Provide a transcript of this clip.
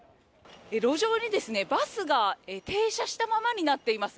路上にですね、バスが停車したままになっています。